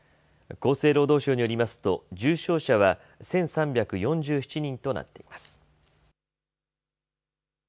厚生労働省によりますと重症者は１３４７人となっています。